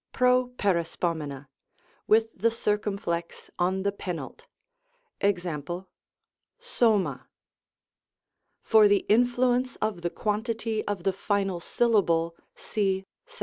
Properispomena, with the circumflex on the penult. JSx.^ acifxa. For the influence of the quantity of the final syllable, see §9.